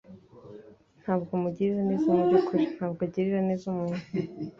Ntabwo amugirira neza. Mubyukuri, ntabwo agirira neza umuntu.